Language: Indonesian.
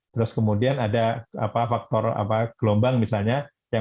terus kemudian ada faktor gelombang misalnya